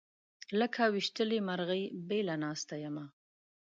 لکه ويشتلې مرغۍ بېله ناسته یمه